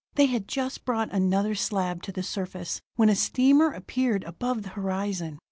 They had just brought another slab to the surface, when a steamer appeared above the horizon.